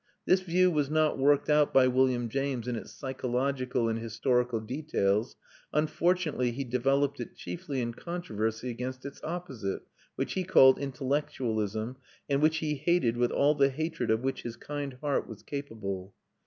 This view was not worked out by William James in its psychological and historical details; unfortunately he developed it chiefly in controversy against its opposite, which he called intellectualism, and which he hated with all the hatred of which his kind heart was capable.